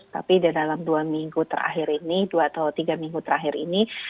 tapi dalam dua minggu terakhir ini dua atau tiga minggu terakhir ini